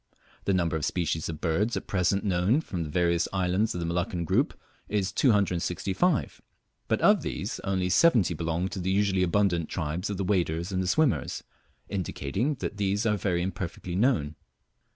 The number of species of birds at present known from the various islands of the Molluccan group is 265, but of these only 70 belong to the usually abundant tribes of the waders and swimmers, indicating that these are very imperfectly known.